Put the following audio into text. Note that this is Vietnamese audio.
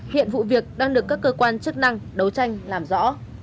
hiện vụ việc đang được các cơ quan chức năng đấu tranh làm rõ